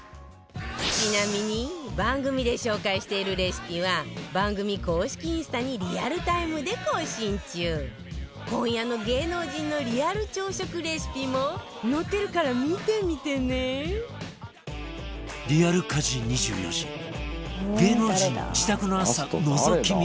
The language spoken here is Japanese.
ちなみに番組で紹介しているレシピは番組公式インスタにリアルタイムで更新中今夜の芸能人のリアル朝食レシピも載ってるから、見てみてねリアル家事２４時芸能人の自宅の朝のぞき見